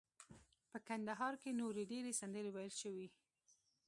په کندهار کې نورې ډیرې سندرې ویل شوي.